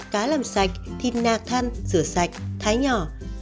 cá làm sạch thịt nạc thăn rửa sạch thái nhỏ